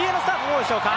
どうでしょうか？